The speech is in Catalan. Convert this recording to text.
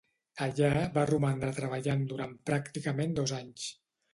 Allà va romandre treballant durant pràcticament dos anys.